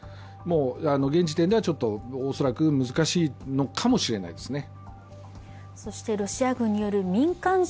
現時点では恐らく難しいのかもしれないですね。